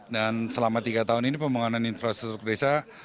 dan selama tiga tahun ini pembangunan infrastruktur desa